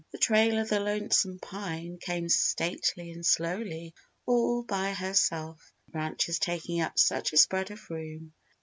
The Trail of the Lonesome Pine came stately and slowly all by herself the branches taking up such a spread of room.